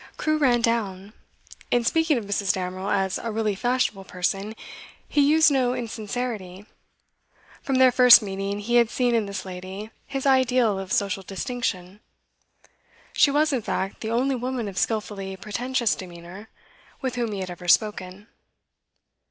Crewe ran down. In speaking of Mrs. Damerel as a 'really fashionable' person, he used no insincerity; from their first meeting he had seen in this lady his ideal of social distinction; she was, in fact, the only woman of skilfully pretentious demeanour with whom he had ever spoken.